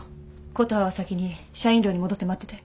琴葉は先に社員寮に戻って待ってて。